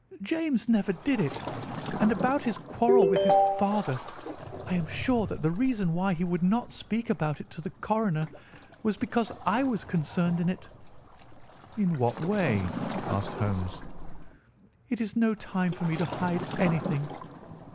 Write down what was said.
James never did it. And about his quarrel with his father, I am sure that the reason why he would not speak about it to the coroner was because I was concerned in it." "In what way?" asked Holmes. "It is no time for me to hide anything.